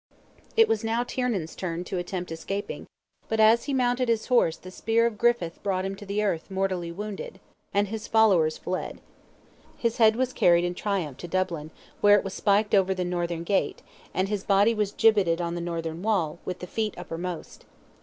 It was now Tiernan's turn to attempt escaping, but as he mounted his horse the spear of Griffith brought him to the earth mortally wounded, and his followers fled. His head was carried in triumph to Dublin, where it was spiked over the northern gate, and his body was gibbeted on the northern wall, with the feet uppermost.